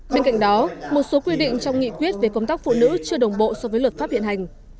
bên cạnh đó một số quy định trong nghị quyết về công tác phụ nữ chưa đồng bộ so với luật pháp hiện hành